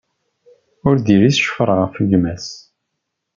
Ur d-iris ccfer ɣef gma-s.